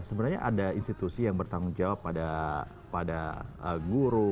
sebenarnya ada institusi yang bertanggung jawab pada guru